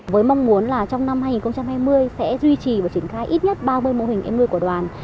với mong muốn là trong năm hai nghìn hai mươi sẽ duy trì và triển khai ít nhất ba mươi mô hình em nuôi của đoàn